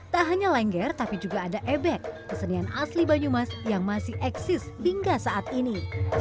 tak hanya lengger tapi juga ada ebek kesenian asli banyumas yang masih eksis hingga saat ini